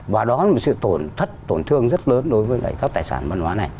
và đó là một sự tổn thất tổn thương rất lớn đối với các tài sản văn hóa này